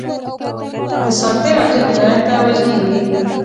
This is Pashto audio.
دساتیر عاجل هدایت ته ویل کیږي.